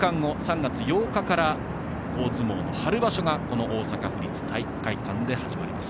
２週間後、３月８日から大相撲の春場所が大阪府立体育会館で始まります。